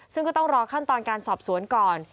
ซึ่งก็ต้องรอขั้นตอนการสอบสวนก่อน